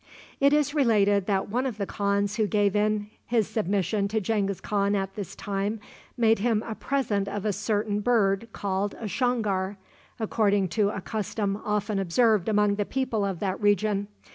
It is related that one of the khans who gave in his submission to Genghis Khan at this time made him a present of a certain bird called a shongar, according to a custom often observed among the people of that region.